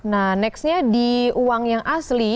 nah nextnya di uang yang asli